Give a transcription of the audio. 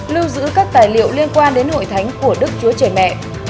lưu giữ các tài liệu liên quan đến hội thánh của đức chúa trời mẹ